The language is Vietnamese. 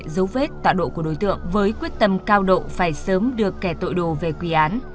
dấu vết tọa độ của đối tượng với quyết tâm cao độ phải sớm đưa kẻ tội đồ về quy án